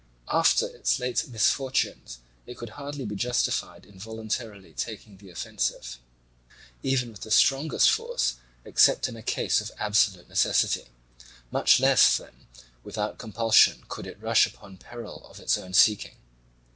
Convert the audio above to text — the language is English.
After its late misfortunes it could hardly be justified in voluntarily taking the offensive even with the strongest force, except in a case of absolute necessity: much less then without compulsion could it rush upon peril of its own seeking.